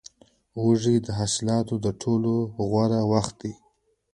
وږی د حاصلاتو د ټولولو غوره وخت دی.